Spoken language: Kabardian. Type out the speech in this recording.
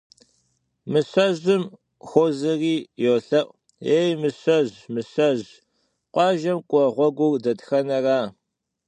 Мыщэжьым хуозэри йолъэӏу: Ей, Мыщэжь, Мыщэжь, къуажэм кӏуэ гъуэгур дэтхэнэра?